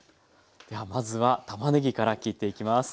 ではまずはたまねぎから切っていきます。